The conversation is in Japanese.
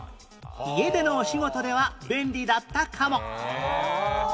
家でのお仕事では便利だったかも